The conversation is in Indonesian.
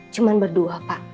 cuma berdua pak